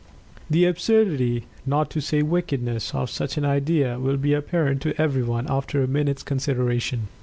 The absurdity, not to say wickedness, of such an idea will be apparent to everyone, after a minute's consideration.